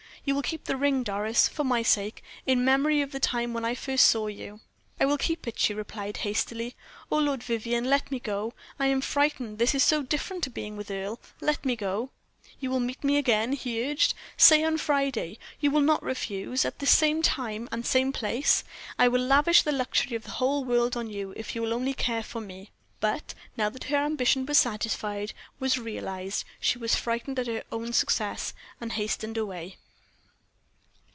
"You will keep the ring, Doris, for my sake, in memory of the time when I first saw you?" "I will keep it," she replied, hastily. "Oh, Lord Vivianne, let me go; I am frightened this is so different to being with Earle. Let me go." "You will meet me again," he urged, "say on Friday you will not refuse at this same time and same place? I will lavish the luxury of the whole world on you, if you will only care for me." But now that her ambition was satisfied, was realized, she was frightened at her own success, and hastened away.